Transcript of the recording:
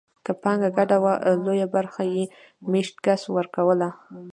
که پانګه ګډه وه لویه برخه یې مېشت کس ورکوله.